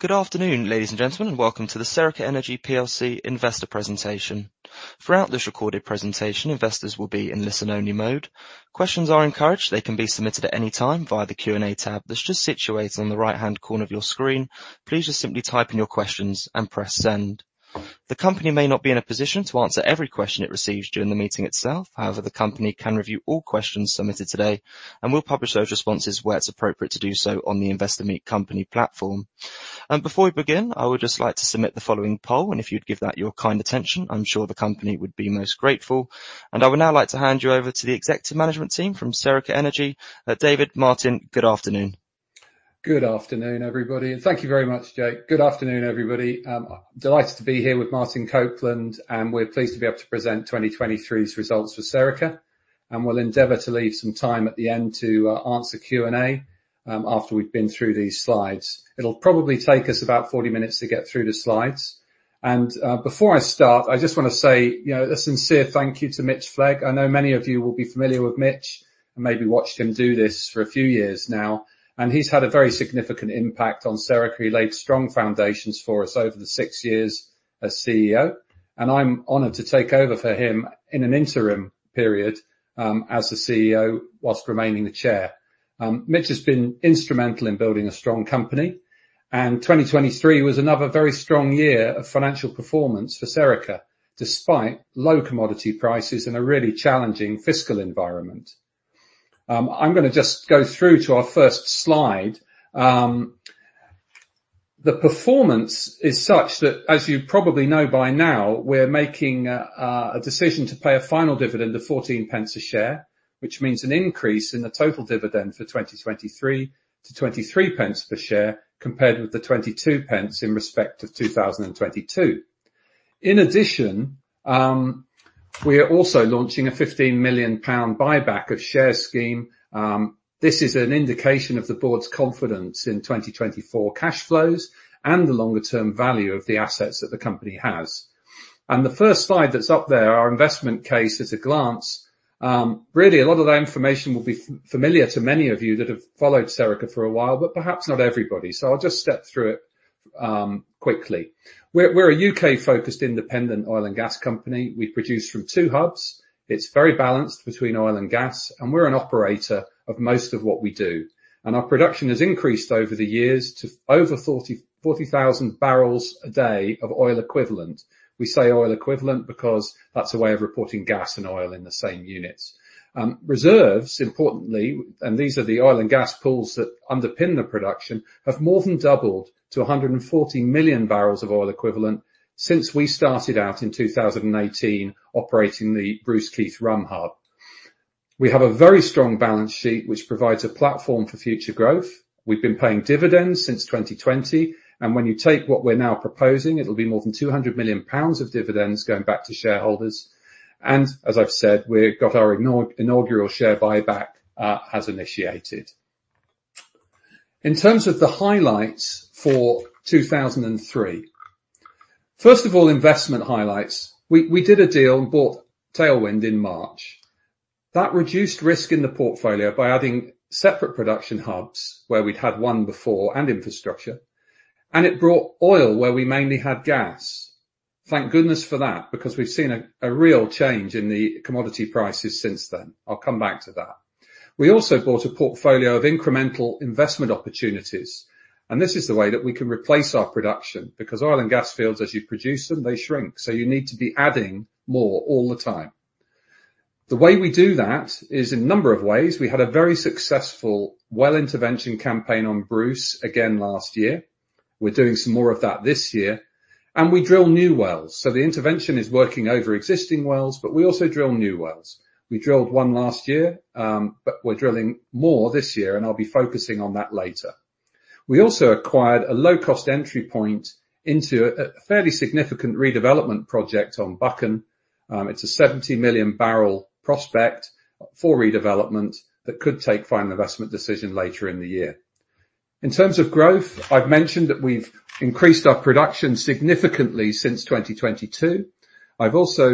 Good afternoon, ladies and gentlemen, and welcome to the Serica Energy plc investor presentation. Throughout this recorded presentation, investors will be in listen-only mode. Questions are encouraged. They can be submitted at any time via the Q&A tab that's just situated on the right-hand corner of your screen. Please just simply type in your questions and press send. The company may not be in a position to answer every question it receives during the meeting itself. However, the company can review all questions submitted today and will publish those responses where it's appropriate to do so on the Investor Meet Company platform. Before we begin, I would just like to submit the following poll, and if you'd give that your kind attention, I'm sure the company would be most grateful. I would now like to hand you over to the executive management team from Serica Energy. David, Martin, good afternoon. Good afternoon, everybody, and thank you very much, Jake. Good afternoon, everybody. Delighted to be here with Martin Copeland, and we're pleased to be able to present 2023's results for Serica. We'll endeavor to leave some time at the end to answer Q&A after we've been through these slides. It'll probably take us about 40 minutes to get through the slides. Before I start, I just wanna say, you know, a sincere thank you to Mitch Flegg. I know many of you will be familiar with Mitch and maybe watched him do this for a few years now, and he's had a very significant impact on Serica. He laid strong foundations for us over the six years as CEO, and I'm honored to take over for him in an interim period as the CEO whilst remaining the Chair. Mitch has been instrumental in building a strong company, and 2023 was another very strong year of financial performance for Serica, despite low commodity prices and a really challenging fiscal environment. I'm gonna just go through to our first slide. The performance is such that, as you probably know by now, we're making a decision to pay a final dividend of 14 a share, which means an increase in the total dividend for 2023 to 23 per share, compared with the 22 in respect of 2022. In addition, we are also launching a 15 million pound share buyback scheme. This is an indication of the board's confidence in 2024 cash flows and the longer term value of the assets that the company has. The first slide that's up there, our investment case at a glance. Really a lot of that information will be familiar to many of you that have followed Serica for a while, but perhaps not everybody, so I'll just step through it quickly. We're a U.K.-focused independent oil and gas company. We produce from two hubs. It's very balanced between oil and gas, and we're an operator of most of what we do. Our production has increased over the years to over 40,000 bbl a day of oil equivalent. We say oil equivalent because that's a way of reporting gas and oil in the same units. Reserves, importantly, and these are the oil and gas pools that underpin the production, have more than doubled to 140 million bbl of oil equivalent since we started out in 2018 operating the Bruce, Keith, Rum hub. We have a very strong balance sheet which provides a platform for future growth. We've been paying dividends since 2020, and when you take what we're now proposing, it'll be more than 200 million pounds of dividends going back to shareholders. As I've said, we've got our inaugural share buyback has initiated. In terms of the highlights for 2023. First of all, investment highlights. We did a deal and bought Tailwind in March. That reduced risk in the portfolio by adding separate production hubs where we'd had one before and infrastructure, and it brought oil where we mainly had gas. Thank goodness for that, because we've seen a real change in the commodity prices since then. I'll come back to that. We also bought a portfolio of incremental investment opportunities, and this is the way that we can replace our production, because oil and gas fields, as you produce them, they shrink, so you need to be adding more all the time. The way we do that is in a number of ways. We had a very successful well intervention campaign on Bruce again last year. We're doing some more of that this year. We drill new wells, so the intervention is working over existing wells, but we also drill new wells. We drilled one last year, but we're drilling more this year, and I'll be focusing on that later. We also acquired a low-cost entry point into a fairly significant redevelopment project on Buchan. It's a 70 million-bbl prospect for redevelopment that could take final investment decision later in the year. In terms of growth, I've mentioned that we've increased our production significantly since 2022. I've also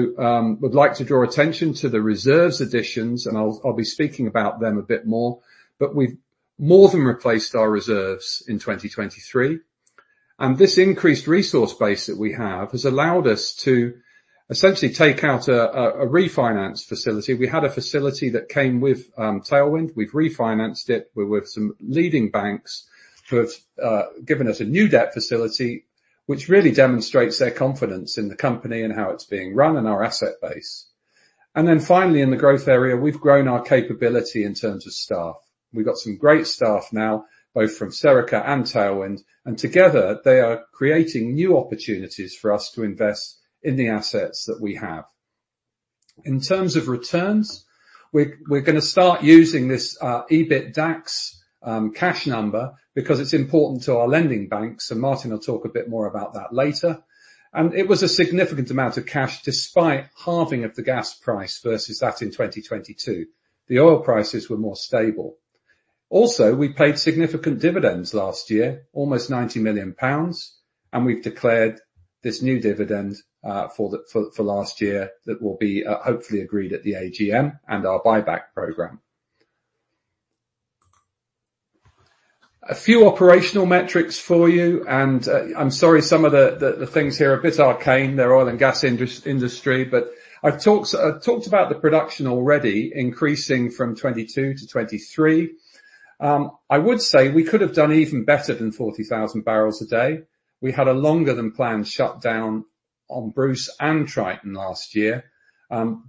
would like to draw attention to the reserves additions, and I'll be speaking about them a bit more, but we've more than replaced our reserves in 2023. This increased resource base that we have has allowed us to essentially take out a refinance facility. We had a facility that came with Tailwind. We've refinanced it. We're with some leading banks who have given us a new debt facility which really demonstrates their confidence in the company and how it's being run and our asset base. Then finally, in the growth area, we've grown our capability in terms of staff. We've got some great staff now, both from Serica and Tailwind, and together they are creating new opportunities for us to invest in the assets that we have. In terms of returns, we're gonna start using this EBITDAX cash number because it's important to our lending banks, so Martin will talk a bit more about that later. It was a significant amount of cash despite halving of the gas price versus that in 2022. The oil prices were more stable. Also, we paid significant dividends last year, almost 90 million pounds, and we've declared this new dividend for last year that will be hopefully agreed at the AGM and our buyback program. A few operational metrics for you, and I'm sorry, some of the things here are a bit arcane. They're oil and gas industry, but I've talked about the production already increasing from 2022 to 2023. I would say we could have done even better than 40,000 bbl a day. We had a longer than planned shutdown on Bruce and Triton last year.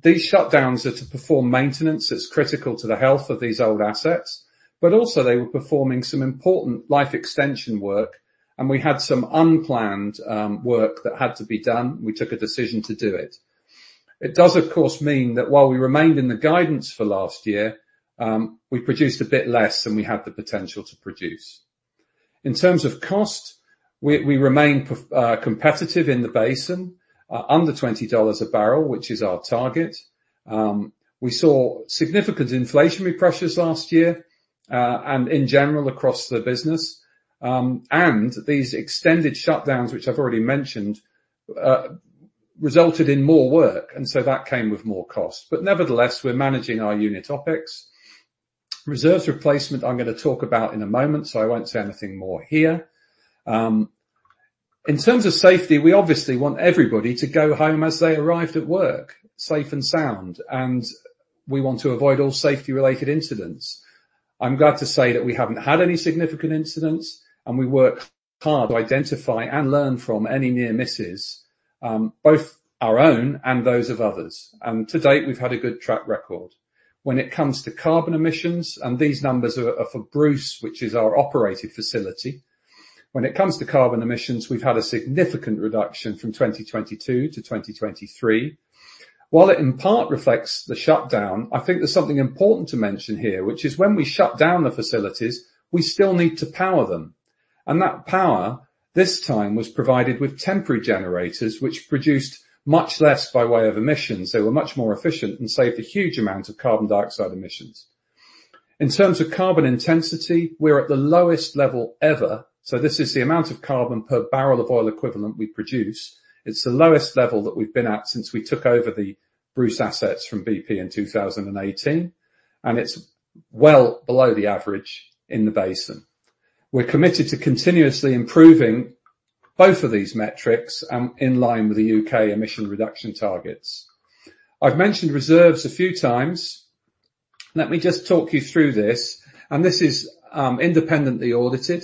These shutdowns are to perform maintenance that's critical to the health of these old assets, but also they were performing some important life extension work, and we had some unplanned work that had to be done. We took a decision to do it. It does, of course, mean that while we remained in the guidance for last year, we produced a bit less than we had the potential to produce. In terms of cost, we remain competitive in the basin, under $20/bbl, which is our target. We saw significant inflationary pressures last year, and in general across the business, and these extended shutdowns, which I've already mentioned, resulted in more work, and so that came with more cost. Nevertheless, we're managing our unit OpEx. Reserves replacement, I'm gonna talk about in a moment, so I won't say anything more here. In terms of safety, we obviously want everybody to go home as they arrived at work, safe and sound, and we want to avoid all safety-related incidents. I'm glad to say that we haven't had any significant incidents, and we work hard to identify and learn from any near misses, both our own and those of others. To date, we've had a good track record. When it comes to carbon emissions, and these numbers are for Bruce, which is our operated facility. When it comes to carbon emissions, we've had a significant reduction from 2022 to 2023. While it in part reflects the shutdown, I think there's something important to mention here, which is when we shut down the facilities, we still need to power them. That power this time was provided with temporary generators, which produced much less by way of emissions. They were much more efficient and saved a huge amount of carbon dioxide emissions. In terms of carbon intensity, we're at the lowest level ever, so this is the amount of carbon per barrel of oil equivalent we produce. It's the lowest level that we've been at since we took over the Bruce assets from BP in 2018, and it's well below the average in the basin. We're committed to continuously improving both of these metrics and in line with the U.K. emission reduction targets. I've mentioned reserves a few times. Let me just talk you through this. This is independently audited.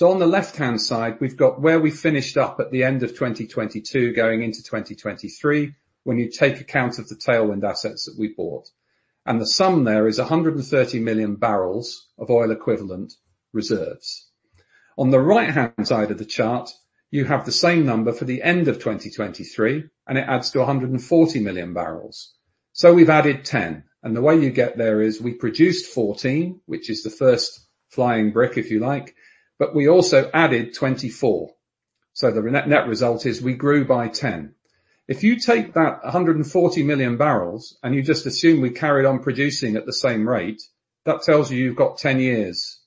On the left-hand side, we've got where we finished up at the end of 2022 going into 2023 when you take account of the Tailwind assets that we bought. The sum there is 130 million bbl of oil equivalent reserves. On the right-hand side of the chart, you have the same number for the end of 2023, and it adds to 140 million bbl. We've added 10 million bbl, and the way you get there is we produced 14 million bbl, which is the first flying brick, if you like, but we also added 24 million bbl. The net result is we grew by 10 million bbl. If you take that 140 million bbl, and you just assume we carried on producing at the same rate, that tells you you've got 10 years.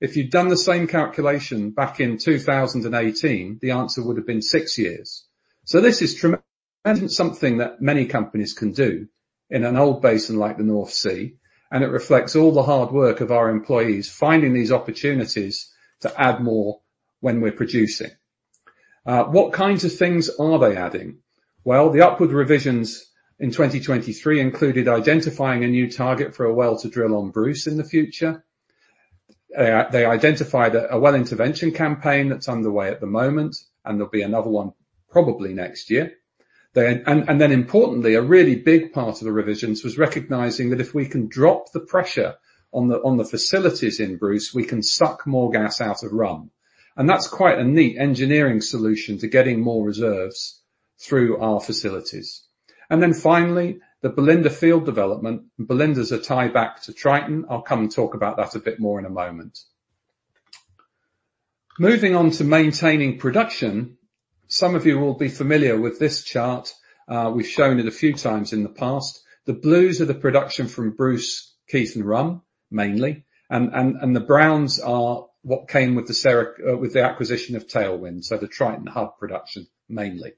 If you'd done the same calculation back in 2018, the answer would have been six years. This is tremendous, something that many companies can do in an old basin like the North Sea, and it reflects all the hard work of our employees finding these opportunities to add more when we're producing. What kinds of things are they adding? Well, the upward revisions in 2023 included identifying a new target for a well to drill on Bruce in the future. They identified a well intervention campaign that's underway at the moment, and there'll be another one probably next year. Importantly, a really big part of the revisions was recognizing that if we can drop the pressure on the facilities in Bruce, we can suck more gas out of Rum. That's quite a neat engineering solution to getting more reserves through our facilities. Finally, the Belinda field development. Belinda's a tieback to Triton. I'll come and talk about that a bit more in a moment. Moving on to maintaining production. Some of you will be familiar with this chart. We've shown it a few times in the past. The blues are the production from Bruce, Keith and Rum, mainly. The browns are what came with the acquisition of Tailwind, so the Triton hub production mainly.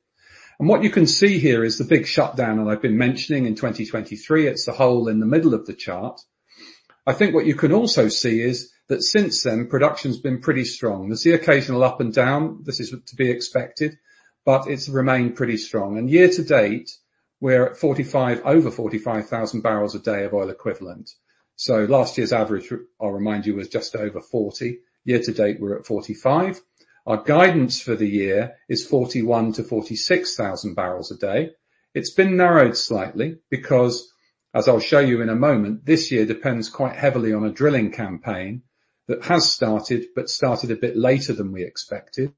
What you can see here is the big shutdown that I've been mentioning in 2023. It's the hole in the middle of the chart. I think what you can also see is that since then, production's been pretty strong. There's the occasional up and down. This is to be expected, but it's remained pretty strong. Year to date, we're at over 45,000 bbl a day of oil equivalent. Last year's average, I'll remind you, was just over 40,000 bbl a day. Year to date, we're at 45,000 bbl a day. Our guidance for the year is 41,000 bbl -46,000 bbl a day. It's been narrowed slightly because, as I'll show you in a moment, this year depends quite heavily on a drilling campaign that has started but started a bit later than we expected.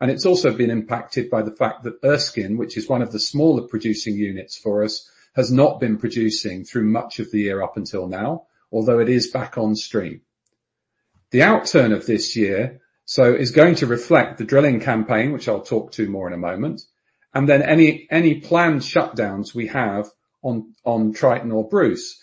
It's also been impacted by the fact that Erskine, which is one of the smaller producing units for us, has not been producing through much of the year up until now, although it is back on stream. The outturn of this year so is going to reflect the drilling campaign, which I'll talk to more in a moment, and then any planned shutdowns we have on Triton or Bruce.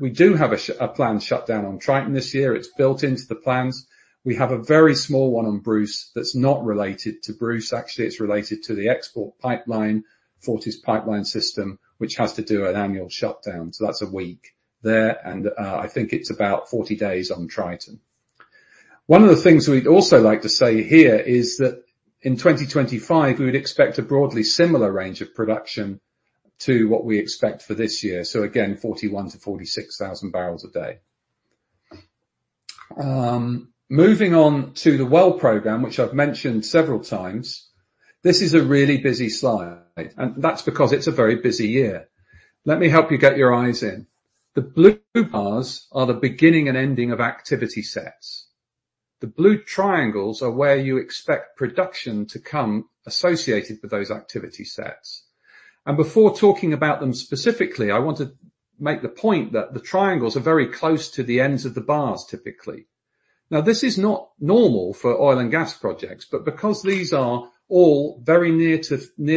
We do have a planned shutdown on Triton this year. It's built into the plans. We have a very small one on Bruce that's not related to Bruce. Actually, it's related to the export pipeline, Forties Pipeline System, which has to do an annual shutdown. That's a week there. I think it's about 40 days on Triton. One of the things we'd also like to say here is that in 2025, we would expect a broadly similar range of production to what we expect for this year. Again, 41,000 bbl-46,000 bbl a day. Moving on to the well program, which I've mentioned several times. This is a really busy slide, and that's because it's a very busy year. Let me help you get your eyes in. The blue bars are the beginning and ending of activity sets. The blue triangles are where you expect production to come associated with those activity sets. Before talking about them specifically, I want to make the point that the triangles are very close to the ends of the bars, typically. Now, this is not normal for oil and gas projects, but because these are all very near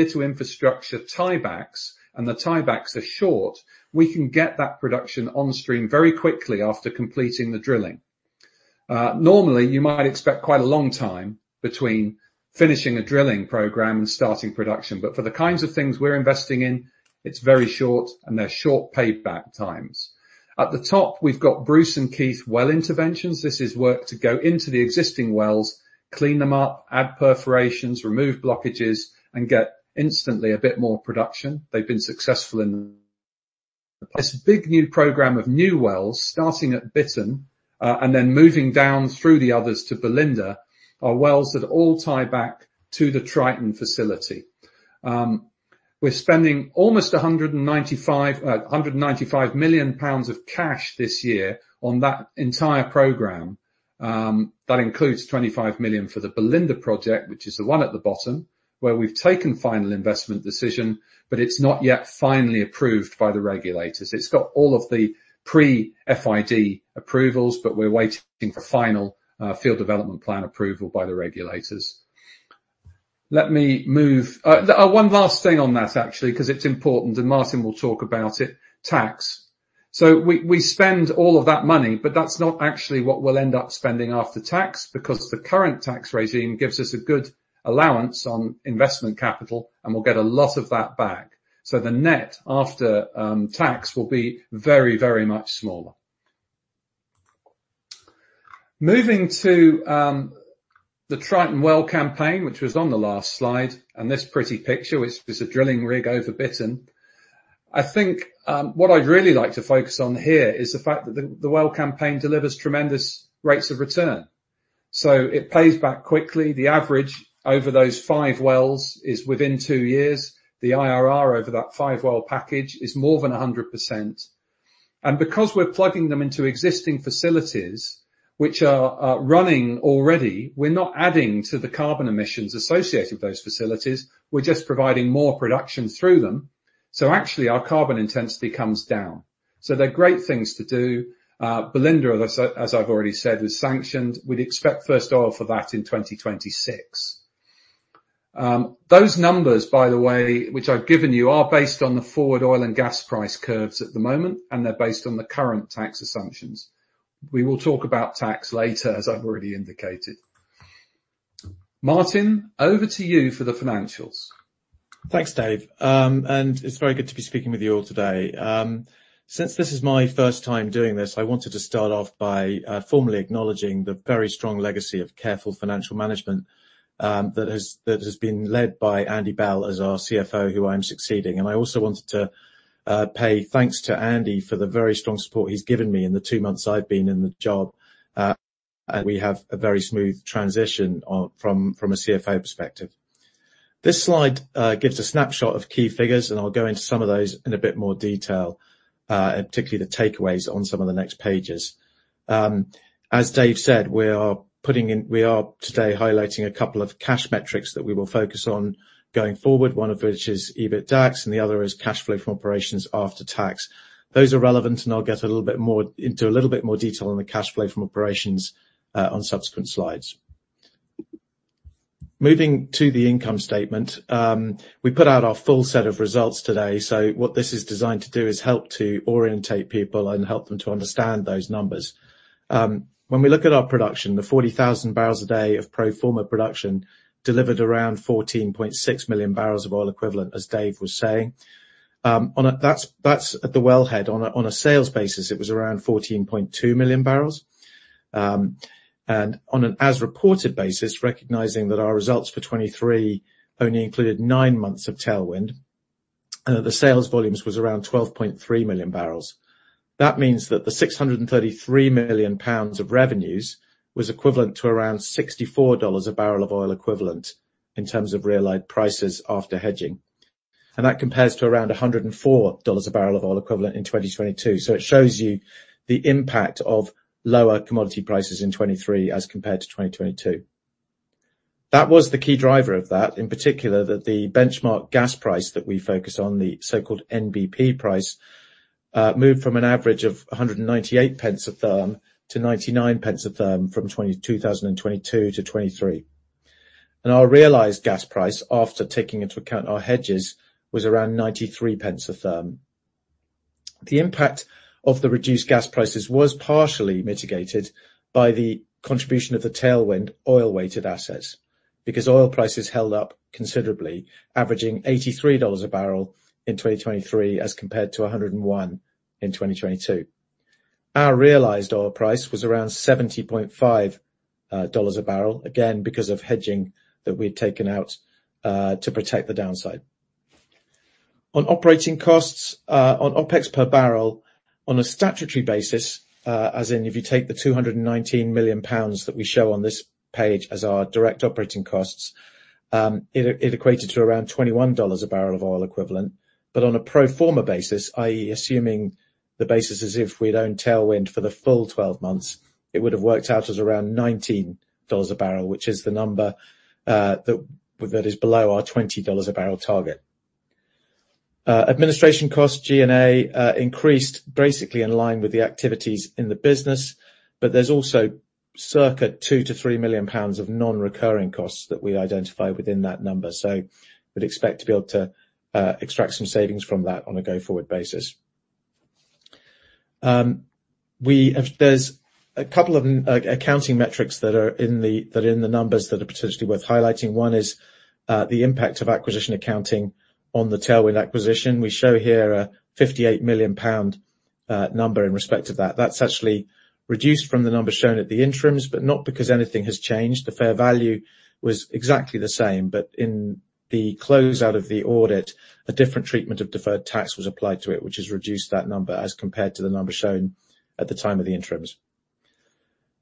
to infrastructure tie-backs and the tiebacks are short, we can get that production on stream very quickly after completing the drilling. Normally, you might expect quite a long time between finishing a drilling program and starting production, but for the kinds of things we're investing in, it's very short, and they're short payback times. At the top, we've got Bruce and Keith well interventions. This is work to go into the existing wells, clean them up, add perforations, remove blockages, and get instantly a bit more production. They've been successful in. This big new program of new wells, starting at Bittern, and then moving down through the others to Belinda, are wells that all tie back to the Triton facility. We're spending almost 195 million pounds of cash this year on that entire program. That includes 25 million for the Belinda project, which is the one at the bottom, where we've taken final investment decision, but it's not yet finally approved by the regulators. It's got all of the pre-FID approvals, but we're waiting for final field development plan approval by the regulators. One last thing on that, actually, 'cause it's important, and Martin will talk about it. Tax. We spend all of that money, but that's not actually what we'll end up spending after tax because the current tax regime gives us a good allowance on investment capital, and we'll get a lot of that back. The net after tax will be very, very much smaller. Moving to the Triton well campaign, which was on the last slide, and this pretty picture, which is a drilling rig over Bittern. I think what I'd really like to focus on here is the fact that the well campaign delivers tremendous rates of return. It pays back quickly. The average over those five wells is within two years. The IRR over that five-well package is more than 100%. Because we're plugging them into existing facilities which are running already, we're not adding to the carbon emissions associated with those facilities. We're just providing more production through them. Actually our carbon intensity comes down. They're great things to do. Belinda, as I've already said, is sanctioned. We'd expect first oil for that in 2026. Those numbers, by the way, which I've given you, are based on the forward oil and gas price curves at the moment, and they're based on the current tax assumptions. We will talk about tax later, as I've already indicated. Martin, over to you for the financials. Thanks, Dave. It's very good to be speaking with you all today. Since this is my first time doing this, I wanted to start off by formally acknowledging the very strong legacy of careful financial management that has been led by Andy Bell as our CFO, who I am succeeding. I also wanted to pay thanks to Andy for the very strong support he's given me in the two months I've been in the job, and we have a very smooth transition from a CFO perspective. This slide gives a snapshot of key figures, and I'll go into some of those in a bit more detail, and particularly the takeaways on some of the next pages. As Dave said, we are today highlighting a couple of cash metrics that we will focus on going forward. One of which is EBITDAX, and the other is cash flow from operations after tax. Those are relevant, and I'll get a little bit more into a little bit more detail on the cash flow from operations on subsequent slides. Moving to the income statement, we put out our full set of results today. What this is designed to do is help to orient people and help them to understand those numbers. When we look at our production, the 40,000 bbl a day of pro forma production delivered around 14.6 million bbl of oil equivalent, as Dave was saying. That's at the wellhead. On a sales basis, it was around 14.2 million bbl. On an as reported basis, recognizing that our results for 2023 only included nine months of Tailwind, the sales volumes was around 12.3 million bbl. That means that the 633 million pounds of revenues was equivalent to around $64 a barrel of oil equivalent in terms of realized prices after hedging. That compares to around $104 a barrel of oil equivalent in 2022. It shows you the impact of lower commodity prices in 2023 as compared to 2022. That was the key driver of that. In particular, that the benchmark gas price that we focus on, the so-called NBP price, moved from an average of 198 a therm to 99 a therm from 2022 to 2023. Our realized gas price after taking into account our hedges was around 93 a therm. The impact of the reduced gas prices was partially mitigated by the contribution of the Tailwind oil-weighted assets. Oil prices held up considerably, averaging $83 a barrel in 2023 as compared to $101 in 2022. Our realized oil price was around $70.5 a barrel, again, because of hedging that we'd taken out to protect the downside. On operating costs, on OpEx per barrel, on a statutory basis, as in if you take the 219 million pounds that we show on this page as our direct operating costs, it equated to around $21 a barrel of oil equivalent. On a pro forma basis, i.e., assuming the basis as if we'd owned Tailwind for the full 12 months, it would have worked out as around $19 a barrel, which is the number that is below our $20 a barrel target. Administration costs, G&A, increased basically in line with the activities in the business, but there's also circa 2 million-3 million pounds of non-recurring costs that we identify within that number. We'd expect to be able to extract some savings from that on a go-forward basis. There's a couple of accounting metrics that are in the numbers that are potentially worth highlighting. One is the impact of acquisition accounting on the Tailwind acquisition. We show here a 58 million pound number in respect to that. That's actually reduced from the number shown at the interims, but not because anything has changed. The fair value was exactly the same. But in the closeout of the audit, a different treatment of deferred tax was applied to it, which has reduced that number as compared to the number shown at the time of the interims.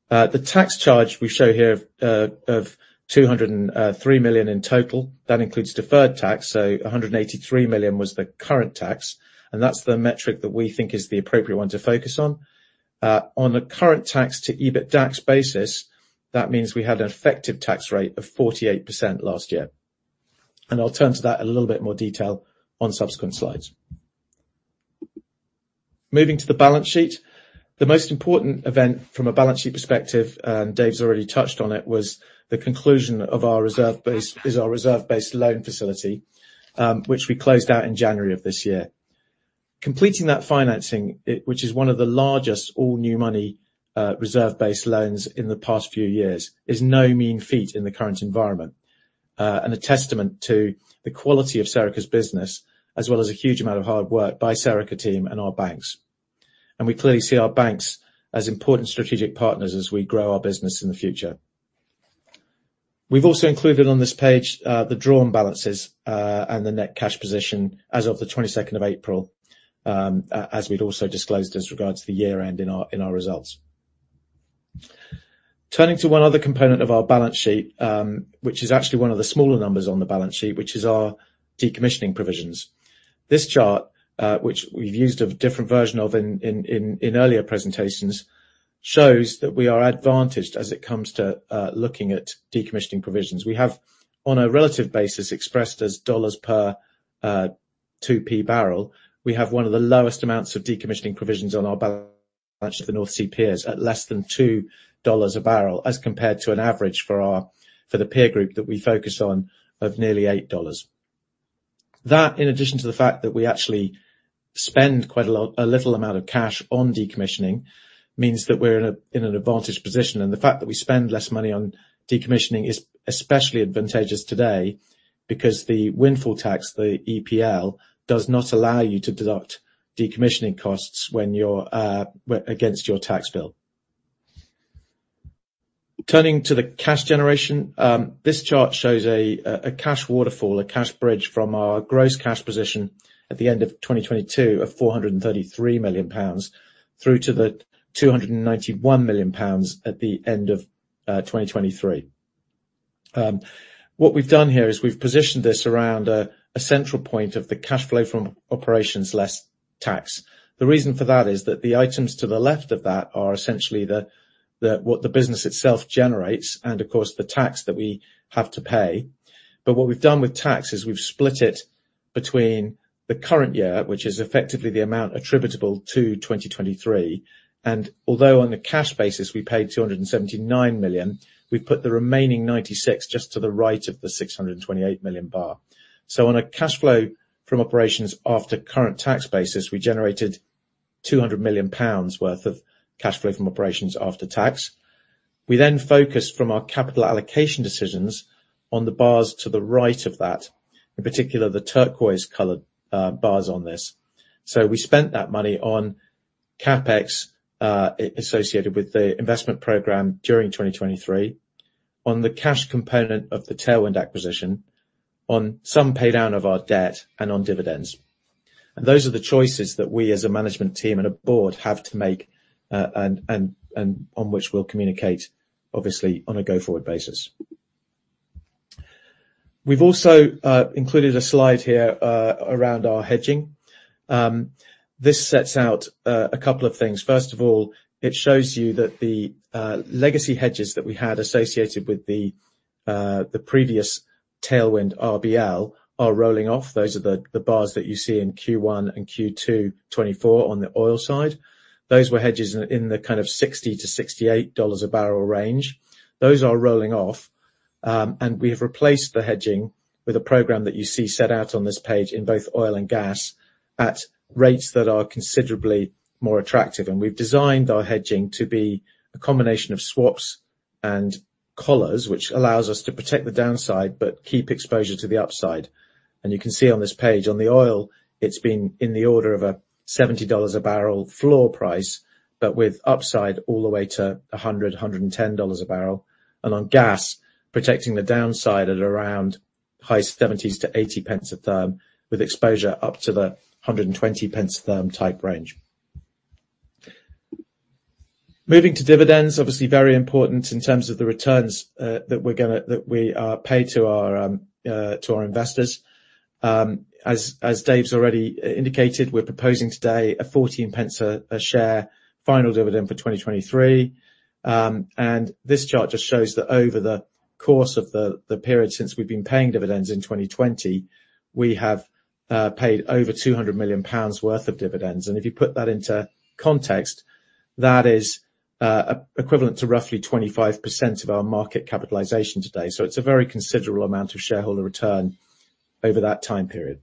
The tax charge we show here of 203 million in total. That includes deferred tax, so 183 million was the current tax, and that's the metric that we think is the appropriate one to focus on. On a current tax to EBITDAX basis, that means we had an effective tax rate of 48% last year. I'll turn to that in a little bit more detail on subsequent slides. Moving to the balance sheet. The most important event from a balance sheet perspective, and Dave's already touched on it, was the conclusion of our reserve-based loan facility, which we closed out in January of this year. Completing that financing, it, which is one of the largest all new money reserve-based loans in the past few years, is no mean feat in the current environment, and a testament to the quality of Serica's business, as well as a huge amount of hard work by Serica team and our banks. We clearly see our banks as important strategic partners as we grow our business in the future. We've also included on this page the drawn balances and the net cash position as of the 22nd of April, as we'd also disclosed as regards to the year-end in our results. Turning to one other component of our balance sheet, which is actually one of the smaller numbers on the balance sheet, which is our decommissioning provisions. This chart, which we've used a different version of in earlier presentations, shows that we are advantaged as it comes to looking at decommissioning provisions. We have, on a relative basis, expressed as dollars per 2P bbl, one of the lowest amounts of decommissioning provisions of the North Sea peers at less than $2 a barrel, as compared to an average for the peer group that we focus on of nearly $8. That, in addition to the fact that we actually spend a little amount of cash on decommissioning, means that we're in an advantaged position. The fact that we spend less money on decommissioning is especially advantageous today because the windfall tax, the EPL, does not allow you to deduct decommissioning costs when you're against your tax bill. Turning to the cash generation, this chart shows a cash waterfall, a cash bridge from our gross cash position at the end of 2022 of 433 million pounds through to the 291 million pounds at the end of 2023. What we've done here is we've positioned this around a central point of the cash flow from operations less tax. The reason for that is that the items to the left of that are essentially what the business itself generates, and of course, the tax that we have to pay. What we've done with tax is we've split it between the current year, which is effectively the amount attributable to 2023. Although on the cash basis, we paid 279 million, we've put the remaining 96 million just to the right of the 628 million bar. On a cash flow from operations after current tax basis, we generated 200 million pounds worth of cash flow from operations after tax. We then focus on our capital allocation decisions on the bars to the right of that, in particular, the turquoise-colored bars on this. We spent that money on CapEx associated with the investment program during 2023, on the cash component of the Tailwind acquisition, on some pay down of our debt and on dividends. Those are the choices that we as a management team and a board have to make, and on which we'll communicate, obviously, on a go-forward basis. We've also included a slide here around our hedging. This sets out a couple of things. First of all, it shows you that the legacy hedges that we had associated with the previous Tailwind RBL are rolling off. Those are the bars that you see in Q1 and Q2 2024 on the oil side. Those were hedges in the kind of $60-$68 a barrel range. Those are rolling off, and we have replaced the hedging with a program that you see set out on this page in both oil and gas at rates that are considerably more attractive. We've designed our hedging to be a combination of swaps and collars, which allows us to protect the downside, but keep exposure to the upside. You can see on this page, on the oil, it's been in the order of $70 a barrel floor price, but with upside all the way to $100-$110 a barrel. On gas, protecting the downside at around high GBP 70s-GBP 80 a therm, with exposure up to 120 a therm type range. Moving to dividends, obviously very important in terms of the returns that we pay to our investors. As Dave's already indicated, we're proposing today a 14 a share final dividend for 2023. This chart just shows that over the course of the period since we've been paying dividends in 2020, we have paid over 200 million pounds worth of dividends. If you put that into context, that is equivalent to roughly 25% of our market capitalization today. It's a very considerable amount of shareholder return over that time period.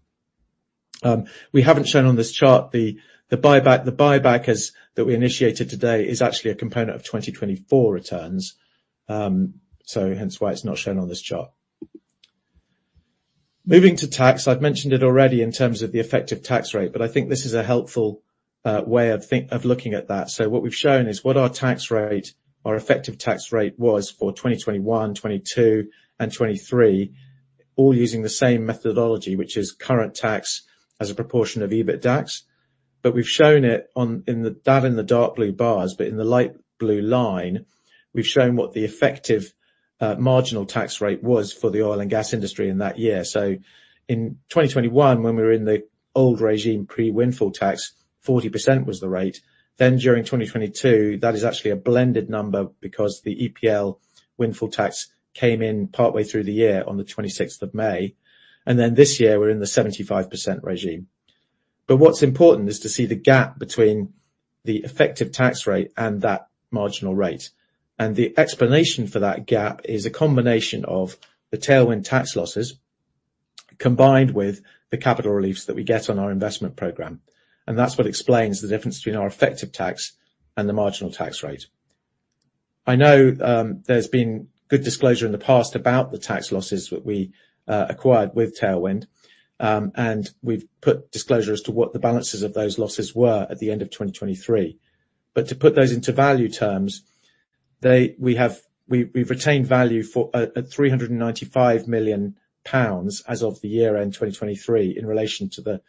We haven't shown on this chart the buyback. The buyback that we initiated today is actually a component of 2024 returns, so hence why it's not shown on this chart. Moving to tax. I've mentioned it already in terms of the effective tax rate, but I think this is a helpful way of looking at that. What we've shown is what our tax rate, our effective tax rate was for 2021, 2022 and 2023, all using the same methodology, which is current tax as a proportion of EBITDA. We've shown it in the dark blue bars. In the light blue line, we've shown what the effective marginal tax rate was for the oil and gas industry in that year. In 2021, when we were in the old regime pre-windfall tax, 40% was the rate. During 2022, that is actually a blended number because the EPL windfall tax came in partway through the year on the 26th of May. This year we're in the 75% regime. What's important is to see the gap between the effective tax rate and that marginal rate. The explanation for that gap is a combination of the Tailwind tax losses combined with the capital reliefs that we get on our investment program. That's what explains the difference between our effective tax and the marginal tax rate. I know there's been good disclosure in the past about the tax losses that we acquired with Tailwind. We've put disclosure as to what the balances of those losses were at the end of 2023. To put those into value terms, we've retained value for 395 million pounds as of the year-end 2023 in relation to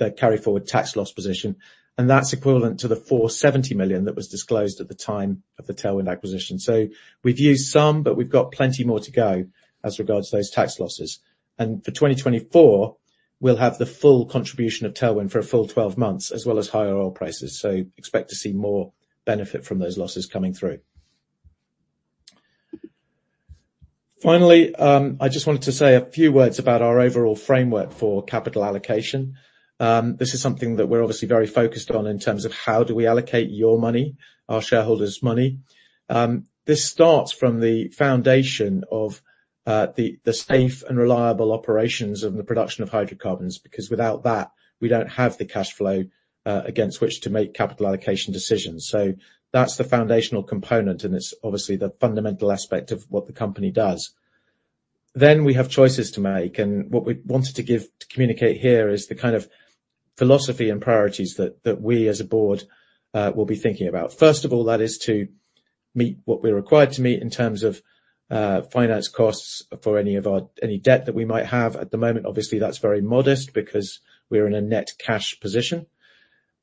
the carry forward tax loss position, and that's equivalent to the 470 million that was disclosed at the time of the Tailwind acquisition. We've used some, but we've got plenty more to go as regards to those tax losses. For 2024, we'll have the full contribution of Tailwind for a full 12 months as well as higher oil prices. Expect to see more benefit from those losses coming through. Finally, I just wanted to say a few words about our overall framework for capital allocation. This is something that we're obviously very focused on in terms of how do we allocate your money, our shareholders money. This starts from the foundation of the safe and reliable operations of the production of hydrocarbons, because without that, we don't have the cash flow against which to make capital allocation decisions. That's the foundational component, and it's obviously the fundamental aspect of what the company does. We have choices to make. What we wanted to give to communicate here is the kind of philosophy and priorities that we as a board will be thinking about. First of all, that is to meet what we're required to meet in terms of finance costs for any debt that we might have at the moment. Obviously, that's very modest because we're in a net cash position.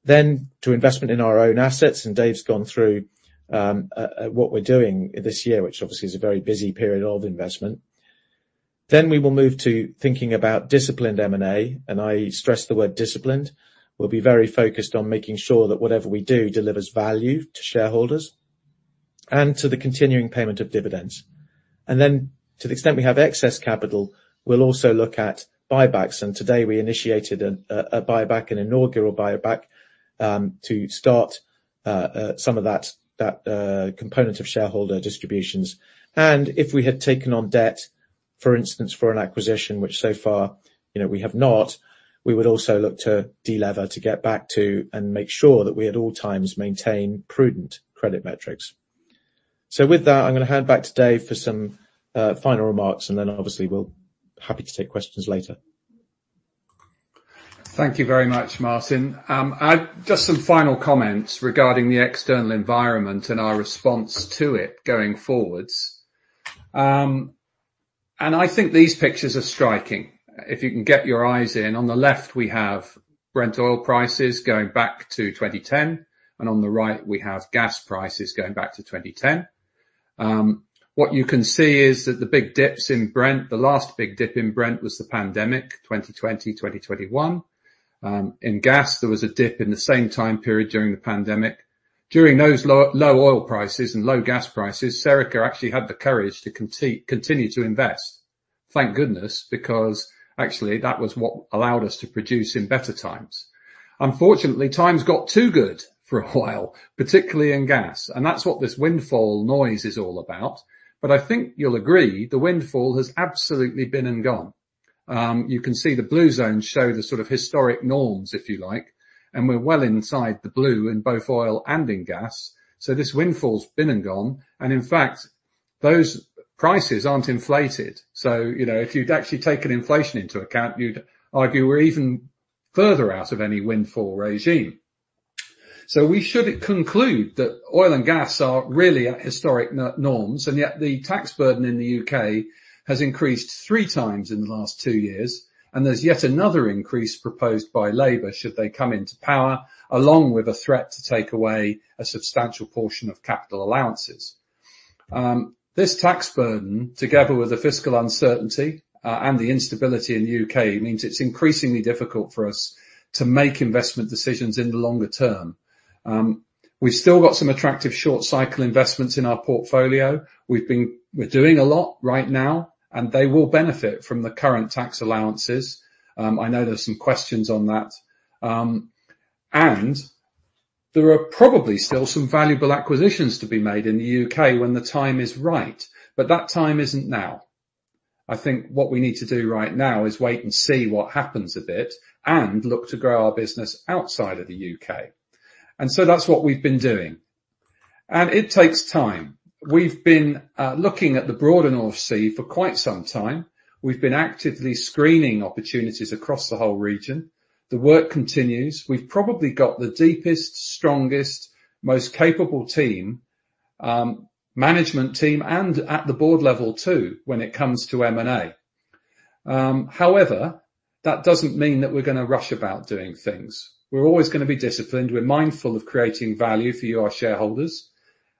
To investment in our own assets, and Dave's gone through what we're doing this year, which obviously is a very busy period of investment. We will move to thinking about disciplined M&A, and I stress the word disciplined. We'll be very focused on making sure that whatever we do delivers value to shareholders and to the continuing payment of dividends. To the extent we have excess capital, we'll also look at buybacks. Today we initiated a buyback, an inaugural buyback, to start some of that component of shareholder distributions. If we had taken on debt, for instance, for an acquisition which so far, you know, we have not, we would also look to de-lever to get back to and make sure that we at all times maintain prudent credit metrics. With that, I'm gonna hand back to Dave for some final remarks, and then obviously we'll be happy to take questions later. Thank you very much, Martin. Just some final comments regarding the external environment and our response to it going forward. I think these pictures are striking. If you can get your eyes in. On the left, we have Brent oil prices going back to 2010. On the right we have gas prices going back to 2010. What you can see is that the big dips in Brent, the last big dip in Brent was the pandemic 2020, 2021. In gas, there was a dip in the same time period during the pandemic. During those low oil prices and low gas prices, Serica actually had the courage to continue to invest, thank goodness, because actually, that was what allowed us to produce in better times. Unfortunately, times got too good for a while, particularly in gas, and that's what this windfall noise is all about. I think you'll agree the windfall has absolutely been and gone. You can see the blue zones show the sort of historic norms, if you like, and we're well inside the blue in both oil and in gas. This windfall's been and gone, and in fact, those prices aren't inflated. You know, if you'd actually taken inflation into account, you'd argue we're even further out of any windfall regime. We should conclude that oil and gas are really at historic norms, and yet the tax burden in the U.K. has increased three times in the last two years, and there's yet another increase proposed by Labour should they come into power, along with a threat to take away a substantial portion of capital allowances. This tax burden, together with the fiscal uncertainty, and the instability in the U.K., means it's increasingly difficult for us to make investment decisions in the longer term. We've still got some attractive short cycle investments in our portfolio. We're doing a lot right now, and they will benefit from the current tax allowances. I know there's some questions on that. There are probably still some valuable acquisitions to be made in the U.K. when the time is right, but that time isn't now. I think what we need to do right now is wait and see what happens a bit and look to grow our business outside of the U.K. That's what we've been doing. It takes time. We've been looking at the broader North Sea for quite some time. We've been actively screening opportunities across the whole region. The work continues. We've probably got the deepest, strongest, most capable team, management team and at the board level too, when it comes to M&A. However, that doesn't mean that we're gonna rush about doing things. We're always gonna be disciplined. We're mindful of creating value for you, our shareholders,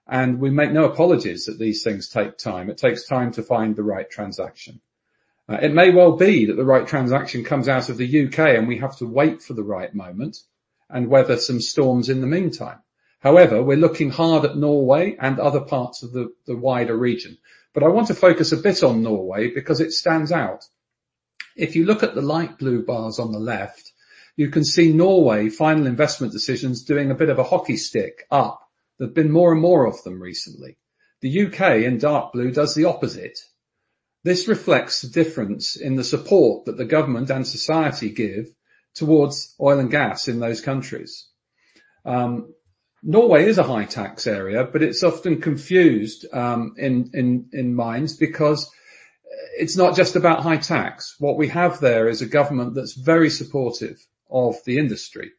and we make no apologies that these things take time. It takes time to find the right transaction. It may well be that the right transaction comes out of the U.K., and we have to wait for the right moment and weather some storms in the meantime. However, we're looking hard at Norway and other parts of the wider region. I want to focus a bit on Norway because it stands out. If you look at the light blue bars on the left, you can see Norway final investment decisions doing a bit of a hockey stick up. There've been more and more of them recently. The U.K. in dark blue does the opposite. This reflects the difference in the support that the government and society give towards oil and gas in those countries. Norway is a high tax area, but it's often confused in minds because it's not just about high tax. What we have there is a government that's very supportive of the industry.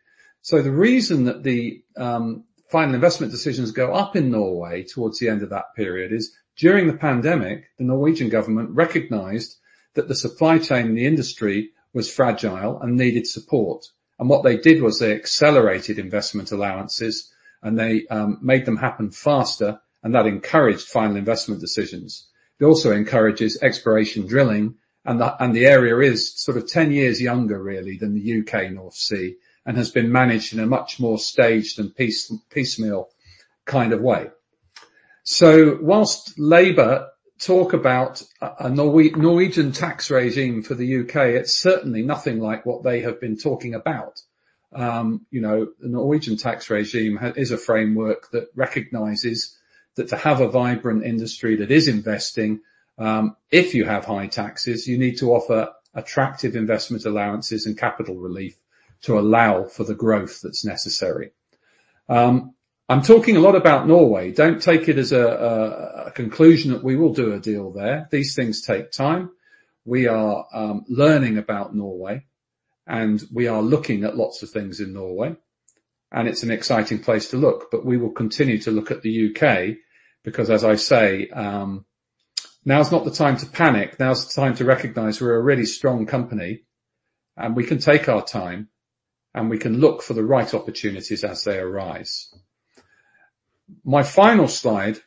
The reason that the final investment decisions go up in Norway towards the end of that period is during the pandemic, the Norwegian government recognized that the supply chain in the industry was fragile and needed support. What they did was they accelerated investment allowances, and they made them happen faster, and that encouraged final investment decisions. It also encourages exploration drilling and the area is sort of 10 years younger really than the U.K. North Sea and has been managed in a much more staged and piecemeal kind of way. While Labour talk about a Norwegian tax regime for the U.K., it's certainly nothing like what they have been talking about. You know, the Norwegian tax regime is a framework that recognizes that to have a vibrant industry that is investing, if you have high taxes, you need to offer attractive investment allowances and capital relief to allow for the growth that's necessary. I'm talking a lot about Norway. Don't take it as a conclusion that we will do a deal there. These things take time. We are learning about Norway, and we are looking at lots of things in Norway, and it's an exciting place to look. But we will continue to look at the U.K. because, as I say, now is not the time to panic. Now is the time to recognize we're a really strong company, and we can take our time, and we can look for the right opportunities as they arise. My final slide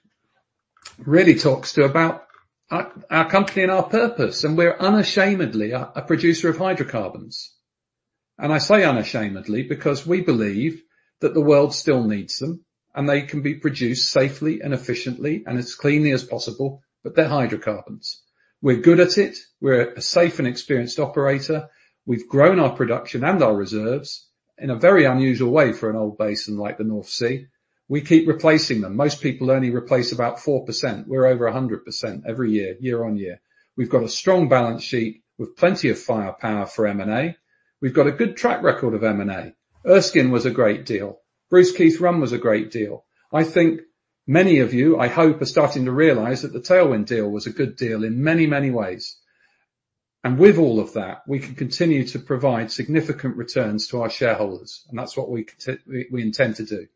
really talks about our company and our purpose, and we're unashamedly a producer of hydrocarbons. I say unashamedly because we believe that the world still needs them, and they can be produced safely and efficiently and as cleanly as possible, but they're hydrocarbons. We're good at it. We're a safe and experienced operator. We've grown our production and our reserves in a very unusual way for an old basin like the North Sea. We keep replacing them. Most people only replace about 4%. We're over 100% every year-on-year. We've got a strong balance sheet with plenty of firepower for M&A. We've got a good track record of M&A. Erskine was a great deal. Bruce, Keith, Rum was a great deal. I think many of you, I hope, are starting to realize that the Tailwind deal was a good deal in many, many ways. With all of that, we can continue to provide significant returns to our shareholders, and that's what we intend to do.